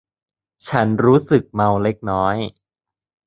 ฉันรู้สึกเมาเล็กน้อย